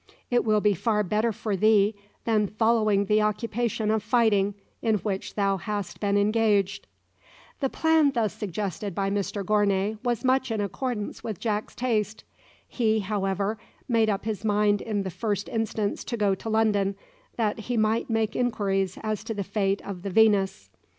It will be far better for thee than following the occupation of fighting, in which thou hast been engaged." The plan thus suggested by Mr Gournay was much in accordance with Jack's taste. He, however, made up his mind in the first instance to go to London, that he might make inquiries as to the fate of the "Venus."